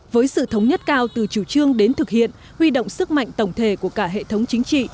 với sự thống nhất cao từ chủ trương đến thực hiện huy động sức mạnh tổng thể của cả hệ thống chính trị